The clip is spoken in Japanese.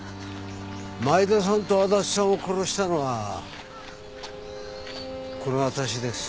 前田さんと足立さんを殺したのはこの私です。